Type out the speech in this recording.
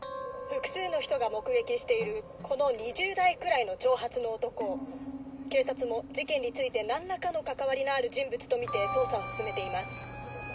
複数の人が目撃しているこの２０代くらいの長髪の男を警察も事件について何らかの関わりのある人物と見て捜査を進めています。